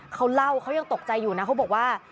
เขาเล่าเขายังตกใจอยู่นะเขาบอกว่า